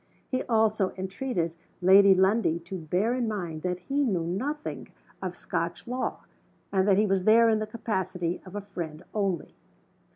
He also entreated Lady Lundie to bear in mind that he knew nothing of Scotch law, and that he was there in the capacity of a friend only.